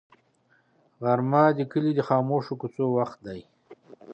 غرمه د کلي د خاموشو کوڅو وخت دی